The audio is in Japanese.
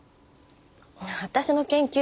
私の研究